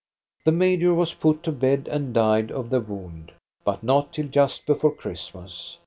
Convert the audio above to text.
The major was put to bed and died of the wound, but not till just before Christmas.